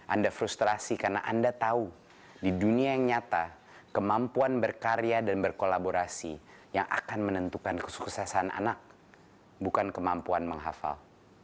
anda frustrasi karena anda tahu di dunia yang nyata kemampuan berkarya dan berkolaborasi yang akan menentukan kesuksesan anak bukan kemampuan menghafal